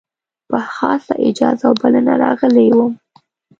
په خاصه اجازه او بلنه راغلی وم.